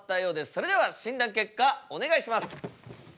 それでは診断結果お願いします。